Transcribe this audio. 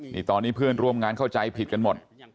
นี่ตอนนี้เพื่อนร่วมงานเข้าใจผิดกันหมด